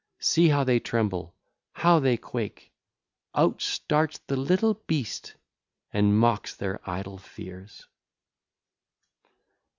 See how they tremble! how they quake! Out starts the little beast, and mocks their idle fears.